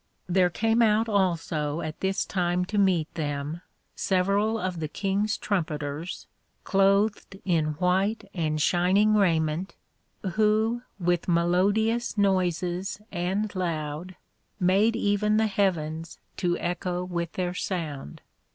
_ There came out also at this time to meet them, several of the King's Trumpeters, cloathed in white and shining Raiment, who with melodious noises and loud, made even the Heavens to echo with their sound.